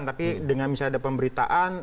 tapi dengan misalnya ada pemberitaan